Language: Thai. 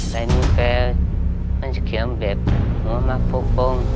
ลายมือแก้วมันจะเคียงแบบมันมาปกป้อง